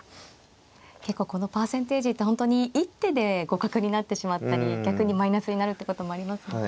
結構このパーセンテージって本当に一手で互角になってしまったり逆にマイナスになるってこともありますね。